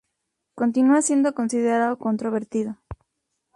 Continua siendo considerado controvertido.